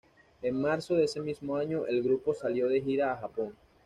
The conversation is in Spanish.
En marzo de ese mismo año, el grupo salió de gira a Japón.